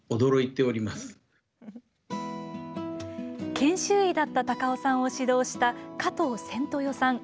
研修医だった高尾さんを指導した加藤千豊さん。